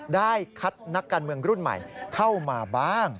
ได้คัดนักการเมืองรุ่นใหม่เข้ามาบ้าง